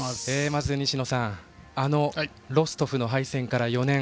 まず西野さんあのロストフの敗戦から４年。